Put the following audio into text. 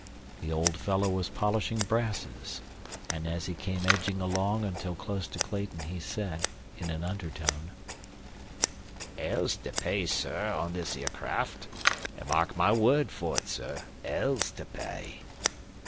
The old fellow was polishing brasses, and as he came edging along until close to Clayton he said, in an undertone: "'Ell's to pay, sir, on this 'ere craft, an' mark my word for it, sir. 'Ell's to pay."